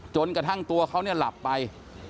จนกระทั่งตัวเขาเนี่ยหลับไป